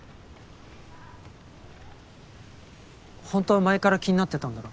本当は前から気になってたんだろ？